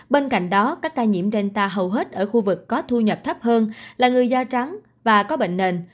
bên cạnh đó các ca nhiễm rainta hầu hết ở khu vực có thu nhập thấp hơn là người da trắng và có bệnh nền